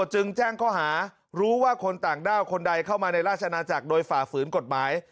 จึงแจ้งข้อหารู้ว่าคนต่างด้าวคนใดเข้ามาในราชนาจักรโดยฝ่าฝืนกฎหมาย